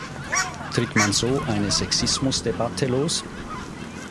Tritt man so eine Sexismus-Debatte los?